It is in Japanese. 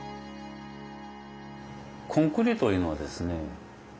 コンクリートいうのはですね